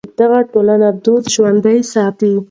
دغه ټولنې دود ژوندی ساتي.